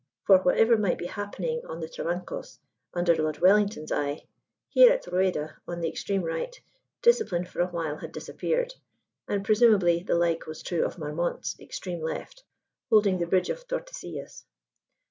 For whatever might be happening on the Trabancos under Lord Wellington's eye, here at Rueda, on the extreme right, discipline for the while had disappeared: and presumably the like was true of Marmont's extreme left holding the bridge of Tordesillas.